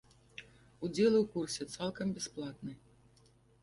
Удзел у курсе цалкам бясплатны.